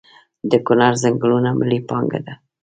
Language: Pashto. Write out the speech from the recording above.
د کنړ ځنګلونه ملي پانګه ده؟